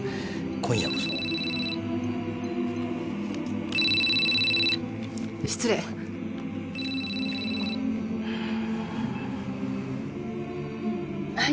今夜こそ失礼・はい